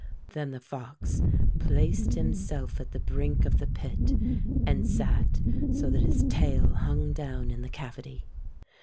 Then the fox placed himself at the brink of the pit and sat so that his tail hung down in the cavity.